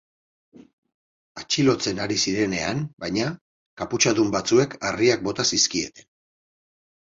Atxilotzen ari zirenean, baina, kaputxadun batzuek harriak bota zizkieten.